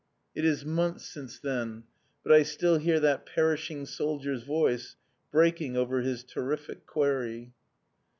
_" It is months since then, but I still hear that perishing soldier's voice, breaking over his terrific query.